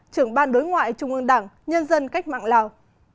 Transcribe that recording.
trưởng ban đối ngoại trung ương đảng nhân dân cách mạng lào